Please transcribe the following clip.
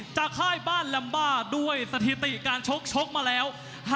ค่ายบ้านลัมบ้าด้วยสถิติการชกชกมาแล้ว